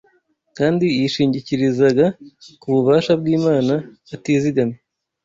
kandi yishingikirizaga ku bubasha bw’Imana atizigamye.